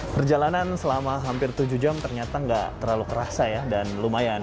perjalanan selama hampir tujuh jam ternyata nggak terlalu kerasa ya dan lumayan